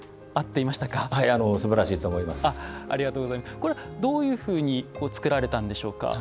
これは、どういうふうに作られたんでしょうか？